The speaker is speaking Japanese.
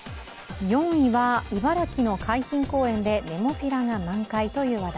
４位は、茨城の海浜公園でネモフィラが満開という話題。